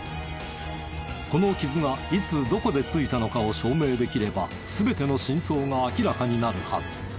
この傷がいつどこでついたのかを証明できれば全ての真相が明らかになるはず。